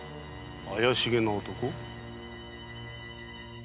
怪しげな男？